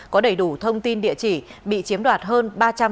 có đầy đủ thông tin địa chỉ bị chiếm đoạt hơn ba trăm chín mươi